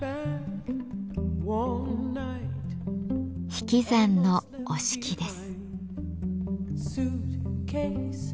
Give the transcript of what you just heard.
「引き算の折敷」です。